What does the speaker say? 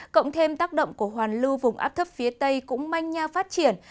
cộng thêm tác động của hoàn lưu vùng áp thấp phía tây cũng manh nha phát triển